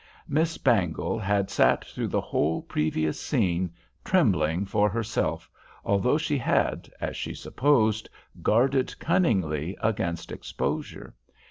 Miss Bangle had sat through the whole previous scene, trembling for herself, although she had, as she supposed, guarded cunningly against exposure.